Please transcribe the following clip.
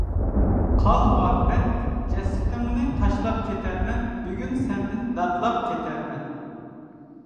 قال مۇھەببەت جەسىتىڭنى تاشلاپ كېتەرمەن، بۈگۈن سەندىن دادلاپ كېتەرمەن.